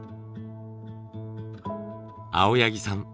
青柳さん